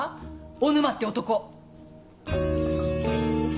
小沼って男。